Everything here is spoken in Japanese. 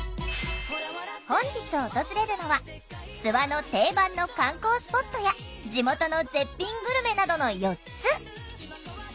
本日訪れるのは諏訪の定番の観光スポットや地元の絶品グルメなどの４つ。